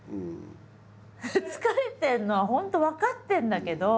疲れてるのは本当分かってるんだけど。